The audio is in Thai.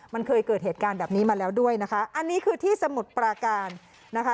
มันเคยเกิดเหตุการณ์แบบนี้มาแล้วด้วยนะคะอันนี้คือที่สมุทรปราการนะคะ